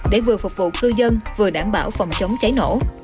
để vừa phục vụ cư dân vừa đảm bảo phòng chống cháy nổ